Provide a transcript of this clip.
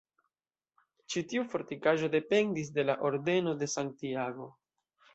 Ĉi tiu fortikaĵo dependis de la Ordeno de Santiago.